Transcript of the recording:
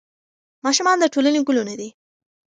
ماشومان د ټولنې ګلونه دي.